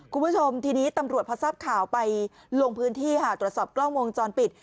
คุณผู้ชมที่นี้ตำรวจผสับข่าวไปลงพื้นที่หาตัวสอบกล้องวงจอนปิด